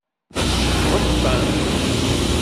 Tesfeqdeḍ-ten?